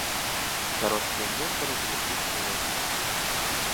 Кароткія інвентары былі двух відаў.